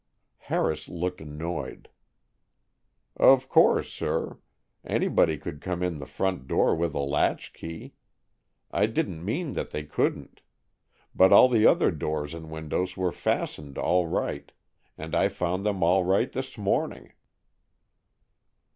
Harris looked annoyed. "Of course, sir, anybody could come in the front door with a latch key. I didn't mean that they couldn't. But all the other doors and windows were fastened all right, and I found them all right this morning."